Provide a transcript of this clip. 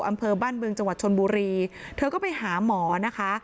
อำเภอบ้านบึงจังหวัดชนบุรีเธอก็ไปหาหมอนะคะ